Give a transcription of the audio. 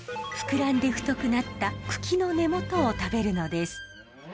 膨らんで太くなった茎の根元を食べるのです。